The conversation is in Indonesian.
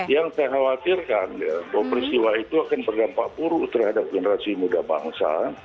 yang saya khawatirkan ya bahwa peristiwa itu akan berdampak buruk terhadap generasi muda bangsa